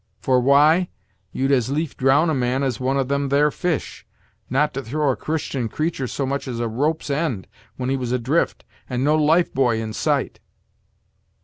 For why? you'd as lief drown a man as one of them there fish; not to throw a Christian creature so much as a rope's end when he was adrift, and no life buoy in sight!